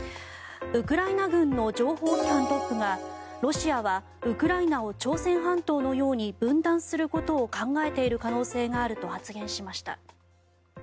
ウクライナ軍の情報機関トップがロシアはウクライナを朝鮮半島のように分断することを考えている可能性があると発言しました。